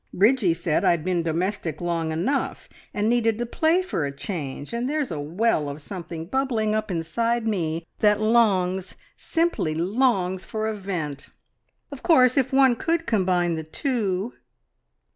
Bridgie said I'd been domestic long enough, and needed to play for a change, and there's a well of something bubbling up inside me that longs, simply longs, for a vent. Of course, if one could combine the two..."